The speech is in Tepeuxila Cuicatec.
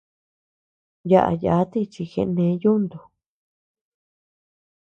Yaʼa yáti chi genee yuntu.